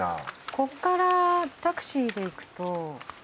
ここからタクシーで行くと。